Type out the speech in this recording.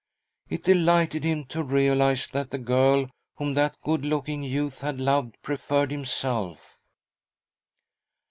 It delighted him to realise that the girl whom that good looking youth had loved preferred himself.